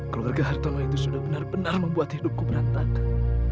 keluarga hartono itu sudah benar benar membuat hidupku berantakan